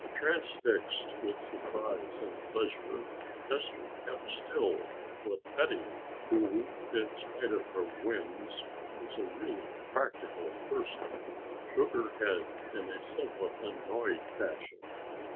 Transfixed with surprise and pleasure Esther kept still but Betty, who in spite of her whims was a really practical person, shook her head in a somewhat annoyed fashion.